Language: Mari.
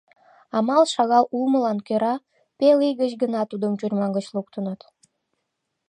Амал шагал улмылан кӧра пел ий гыч гына тудым тюрьма гыч луктыныт.